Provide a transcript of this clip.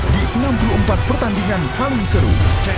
di enam puluh empat pertandingan paling seru